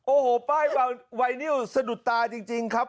โอ้โหป้ายไวนิวสะดุดตาจริงครับ